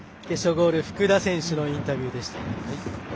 決勝ゴール福田選手のインタビューでした。